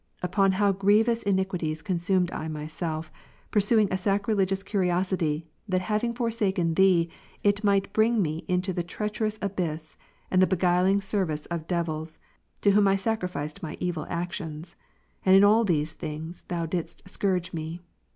Upon how grievous iniquities consumed I myself, pursuing a sacrilegious curiosity, that having forsaken Thee, it might bring me to the treacherous abyss, and the beguiling service of devils, to whom I sacrificed my evil actions, and in all these things Thou didst scourge me!